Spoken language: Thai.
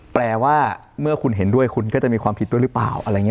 แปลว่าเมื่อคุณเห็นด้วยคุณก็จะมีความผิดด้วยหรือเปล่าอะไรอย่างนี้